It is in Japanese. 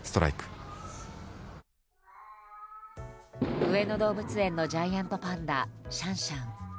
上野動物園のジャイアントパンダシャンシャン。